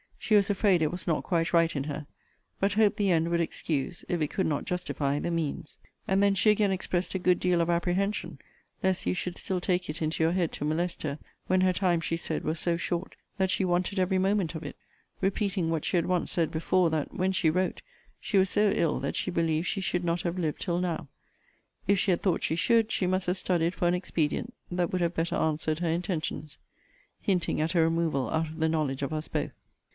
She was afraid it was not quite right in her. But hoped the end would excuse (if it could not justify) the means. And then she again expressed a good deal of apprehension lest you should still take it into your head to molest her, when her time, she said, was so short, that she wanted every moment of it; repeating what she had once said before, that, when she wrote, she was so ill that she believed she should not have lived till now: if she had thought she should, she must have studied for an expedient that would have better answered her intentions. Hinting at a removal out of the knowledge of us both.